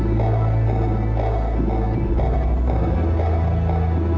kau yang selalu memusahi ayahku